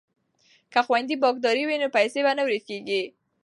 که خویندې بانکدارې وي نو پیسې به نه ورکیږي.